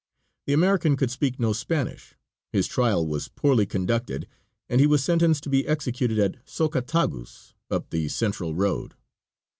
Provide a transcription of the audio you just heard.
The American could speak no Spanish. His trial was poorly conducted, and he was sentenced to be executed at Zocatagus, up the Central road.